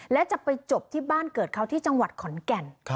และจะไปจบที่บ้านเกิดเขาที่จังหวัดขอนแก่น